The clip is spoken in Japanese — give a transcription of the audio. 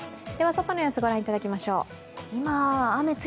外の様子、御覧いただきましょう。